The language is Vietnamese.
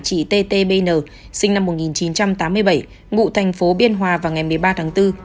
chị ttbn sinh năm một nghìn chín trăm tám mươi bảy ngụ thành phố biên hòa vào ngày một mươi ba tháng bốn